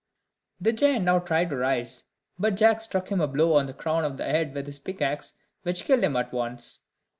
The giant now tried to rise, but Jack struck him a blow on the crown of the head with his pickaxe, which killed him at once.